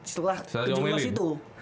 setelah jomblo situ